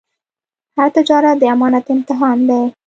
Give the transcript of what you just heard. هر تجارت د امانت امتحان دی.